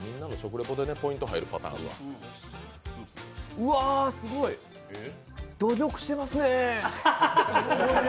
うわ、すごい。努力してますね、これは。